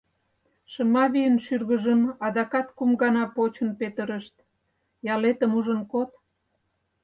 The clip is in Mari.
Шымавийын шӱргыжым адакат кум гана почын-петырышт — «ялетым ужын код».